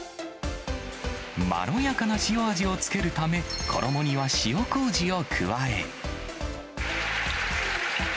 まろやかな塩味をつけるため、衣には塩こうじを加え。